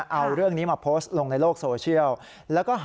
เอาเรื่องนี้มาโพสต์ลงในโลกโซเชียล